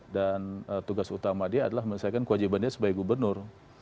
dan tugas utama dia adalah menyesuaikan kewajibannya sebagai gubernur